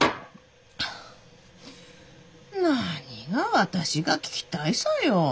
なにが「私が聞きたいさ」よ。